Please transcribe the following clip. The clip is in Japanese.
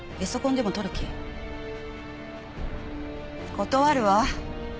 断るわ。